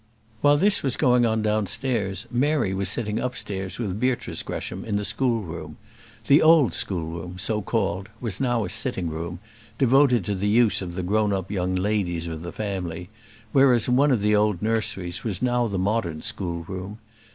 While this was going on downstairs, Mary was sitting upstairs with Beatrice Gresham in the schoolroom. The old schoolroom, so called, was now a sitting room, devoted to the use of the grown up young ladies of the family, whereas one of the old nurseries was now the modern schoolroom.